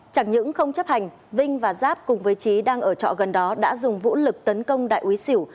chẳng những không chấp hành vinh và giáp cùng với trí đang ở trọ gần đó đã dùng vũ lực tấn công đại úy xỉu